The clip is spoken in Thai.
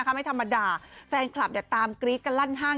ไม่ธรรมดาแฟนคลับตามกรี๊ดกันลั่นห้าง